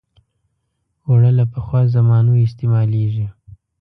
اوړه له پخوا زمانو استعمالېږي